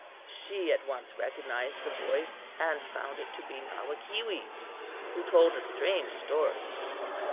"She at once recognized, the voice and found it to be Nawakeewee, who told a strange story.